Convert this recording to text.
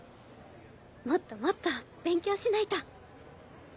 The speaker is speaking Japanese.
もっともっと勉強しないと。